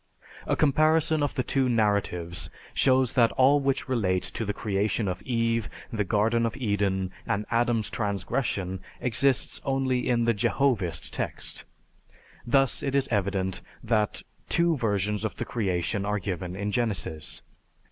A comparison of the two narratives shows that all which relates to the creation of Eve, the Garden of Eden, and Adam's transgression, exists only in the Jehovist text. Thus it is evident that two versions of the Creation are given in Genesis.